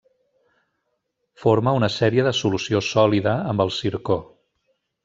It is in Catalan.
Forma una sèrie de solució sòlida amb el zircó.